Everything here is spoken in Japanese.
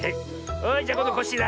じゃこんどコッシーだ。